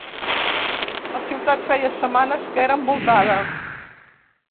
La ciutat feia setmanes que era envoltada.